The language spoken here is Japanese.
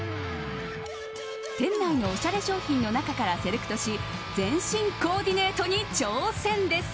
店内のオシャレ商品の中からセレクトし全身コーディネートに挑戦です。